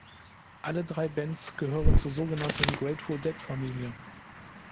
Alle drei Bands gehören zur sogenannten Grateful Dead Familie.